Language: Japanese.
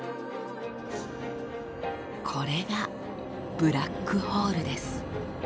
これがブラックホールです。